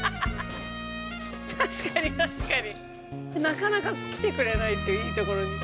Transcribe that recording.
なかなか来てくれないっていういいところに。